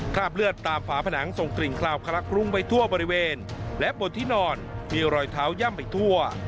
คราบเลือดตามฝาผนังส่งกลิ่นคลาวคลักพรุ้งไปทั่วบริเวณและบนที่นอนมีรอยเท้าย่ำไปทั่ว